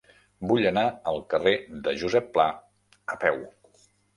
Vull anar al carrer de Josep Pla a peu.